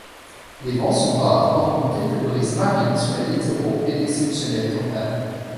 Les vents sont rares hormis quelques brises marines sur les littoraux et d'exceptionnelles tornades.